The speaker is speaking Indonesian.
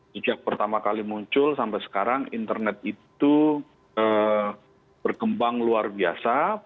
sejak pertama kali muncul sampai sekarang internet itu berkembang luar biasa